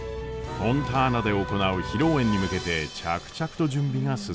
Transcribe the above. フォンターナで行う披露宴に向けて着々と準備が進んでいきました。